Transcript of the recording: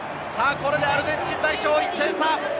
これでアルゼンチン代表、１点差！